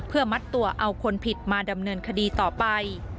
เพื่อมัดตัวเอาคนผิดมาดำเนินคดีต่อไป